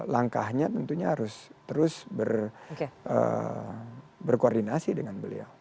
langkahnya tentunya harus terus berkoordinasi dengan beliau